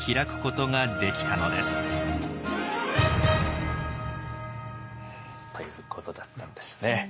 ということだったんですね。